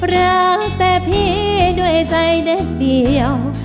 รักแต่พี่ด้วยใจเด็กเดียว